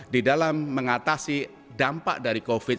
di dalam mengatasi dampak dari covid sembilan belas